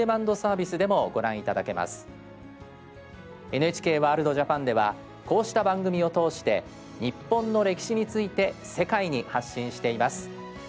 ＮＨＫワールドＪＡＰＡＮではこうした番組を通して日本の歴史について世界に発信しています。